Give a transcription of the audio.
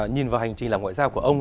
nhìn vào hành trình làm ngoại giao của ông